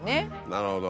なるほど。